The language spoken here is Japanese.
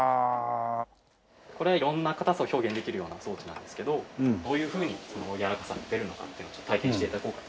これは色んな硬さを表現できるような装置なんですけどどういうふうにやわらかさが出るのかっていうのをちょっと体験して頂こうかと。